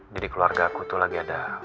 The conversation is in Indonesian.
jadi keluarga aku tuh lagi ada